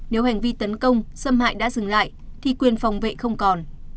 nếu hành vi tấn công xâm hại đã dừng lại thì quyền phòng vệ không còn